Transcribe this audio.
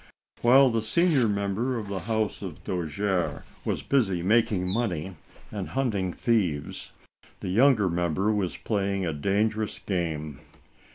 While the senior member of the house of Do jere & Co. was busy making money and hunting thieves, the younger member was playing a dan gerous game.